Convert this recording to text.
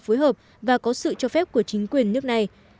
phối hợp và có sự cho phép của chính quyền nước này